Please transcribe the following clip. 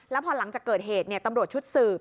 แล้วพอหลังจากเกิดเหตุตำรวจชุดสืบ